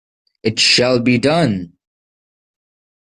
It shall be done!